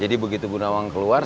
jadi begitu bu nawang keluar